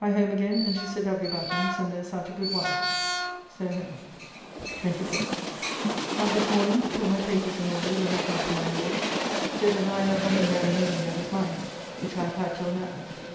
I home again and to Sir W. Batten's, and there sat a good while. So home. 25th. Up this morning to put my papers in order that are come from my Lord's, so that now I have nothing there remaining that is mine, which I have had till now.